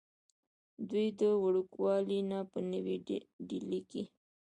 دوي د وړوکوالي نه پۀ نوي ډيلي کښې